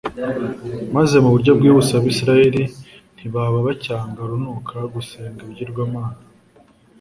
maze mu buryo bwihuse abisirayeli ntibaba bacyanga urunuka gusenga ibigirwamana